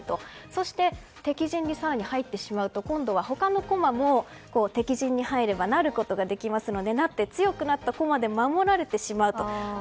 そして敵陣に更に入ってしまうと今度は他の駒も、敵陣に入れば成ることができますので成って強くなった駒で守られてしまう。